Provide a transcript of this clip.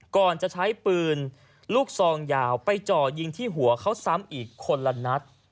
ก่อนจะใช้ปืนลูกซองยาวไปจ่อยิงที่หัวเขาซ้ำอีกคนละนัด